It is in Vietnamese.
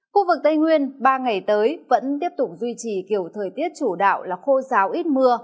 khu vực tây nguyên ba ngày tới vẫn tiếp tục duy trì kiểu thời tiết chủ đạo là khô giáo ít mưa